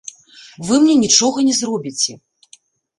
Вы мне нічога не зробіце.